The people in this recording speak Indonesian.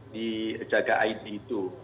di jaga it itu